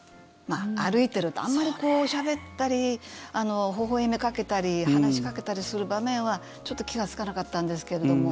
歩いているとあまりしゃべったりほほ笑みかけたり話しかけたりする場面はちょっと気がつかなかったんですけれども